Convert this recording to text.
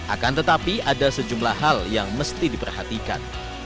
akan tetapi ada sejumlah hal yang mesti diperhatikan